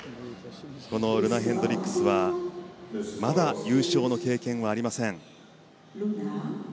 ルナ・ヘンドリックスはまだ優勝の経験はありません。